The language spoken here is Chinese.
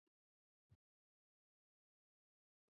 寒食散的起源不明。